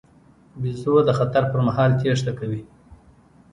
بیزو د خطر پر مهال تېښته کوي.